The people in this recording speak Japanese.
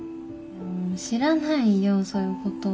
知らないよそういうこと。